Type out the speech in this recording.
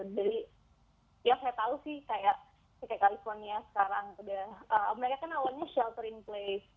jadi ya saya tahu sih kayak california sekarang mereka kan awalnya shelter in place